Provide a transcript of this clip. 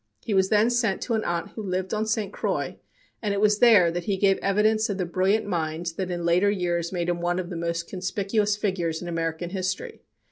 He was then sent to an aunt who lived on St. Croix, and it was there that he gave evidence of the brilliant mind that in later years made him one of the most conspicuous figures in American history.